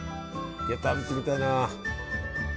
いや食べてみたいな。